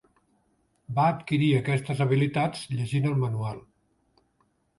Va adquirir aquestes habilitats llegint el manual.